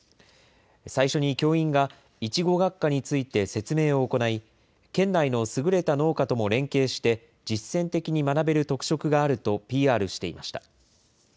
最初に教員が、いちご学科について説明を行い、県内の優れた農家とも連携して、実践的に学べる特色があるとＰＲしていました。